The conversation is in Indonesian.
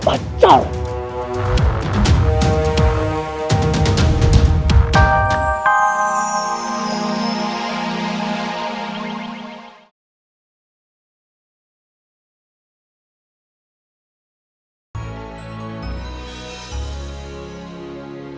itu bener kurang atuh